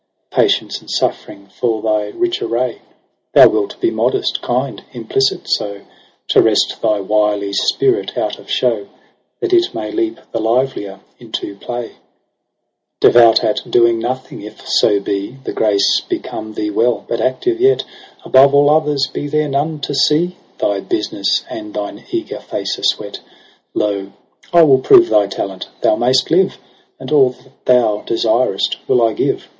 Patience and suffering for thy rich array : Thou wilt be modest, kind, implicit, so To rest thy wily spirit out of show That it may leap the livelier into play : 28 ' Devout at doing nothing, if so be The grace become thee well j but active yet Above all others be there none to see Thy business, and thine eager face asweat. Lx) ! I will prove thy talent : thou mayst live. And all that thou desirest will I give.